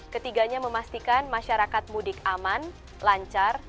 ketiganya memastikan masyarakat mudik aman lancar